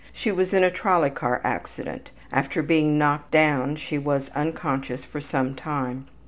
She was in a trolley car accident; after being knocked down she was unconscious for some time.